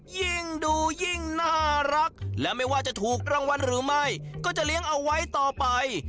ยิ่งดูยิ่งน่ารักและไม่ว่าจะถูกรางวัลหรือไม่ก็จะเลี้ยงเอาไว้ต่อไป